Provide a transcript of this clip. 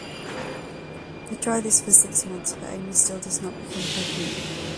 They try this for six months but Amy still does not become pregnant.